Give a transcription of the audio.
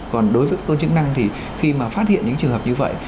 còn đối với các con chức năng thì khi mà phát hiện những trường hợp như vậy